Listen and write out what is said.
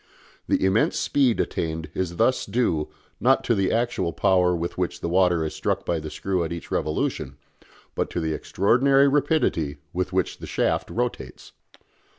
The immense speed attained is thus due, not to the actual power with which the water is struck by the screw at each revolution, but to the extraordinary rapidity with which the shaft rotates.